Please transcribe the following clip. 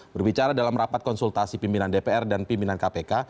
berbicara dalam rapat konsultasi pimpinan dpr dan pimpinan kpk